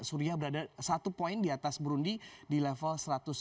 suria berada satu poin di atas burundi di level satu ratus lima puluh lima